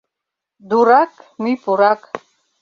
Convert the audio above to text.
— Дурак — мӱй пурак...